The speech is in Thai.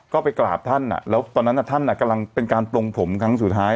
ก็ไปกราบท่านแล้วตอนนั้นท่านกำลังเป็นการปลงผมครั้งสุดท้าย